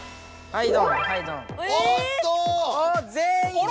はい。